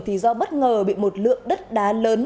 thì do bất ngờ bị một lượng đất đá lớn